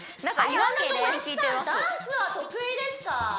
麻希さんダンスは得意ですか？